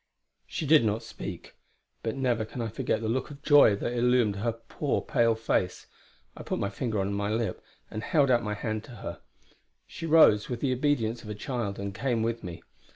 She did not speak; but never can I forget the look of joy that illumined her poor, pale face. I put my finger on my lip, and held out my hand to her. She rose, with the obedience of a child, and came with me.